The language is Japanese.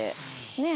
ねえ？